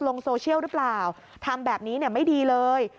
ลงโซเชียลหรือเปล่าทำแบบนี้ไม่ดีเลย